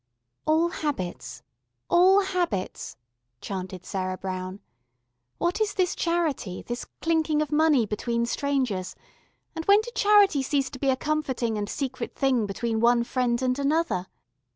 "All habits. All habits," chanted Sarah Brown. "What is this Charity, this clinking of money between strangers, and when did Charity cease to be a comforting and secret thing between one friend and another?